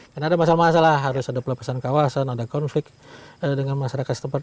dan ada masalah masalah harus ada pelepasan kawasan ada konflik dengan masyarakat tempat